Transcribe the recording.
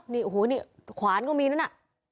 อ๋อนี่โอ้โหนี่ขวานก็มีนะ